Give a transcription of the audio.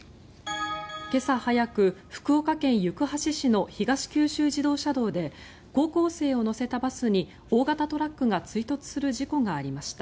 今朝早く福岡県行橋市の東九州自動車道で高校生を乗せたバスに大型トラックが追突する事故がありました。